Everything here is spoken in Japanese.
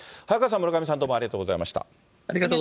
早川さん、村上さん、ありがとうございました。